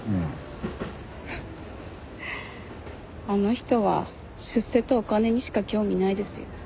あの人は出世とお金にしか興味ないですよ。